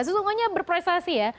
sesungguhnya berprestasi ya